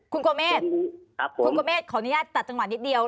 คุณกดเมฆขออนุญาตจัดจังหวัดนิดเดียว